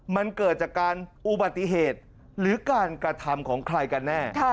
มันเกิดจากการอุบัติเหตุหรือการกระทำของใครกันแน่